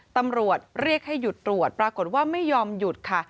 ตำรวจเรียกให้หยุดตรวจปรากฏว่าไม่ยอมหยุดค่ะ